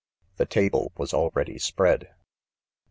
• c The table was already spread.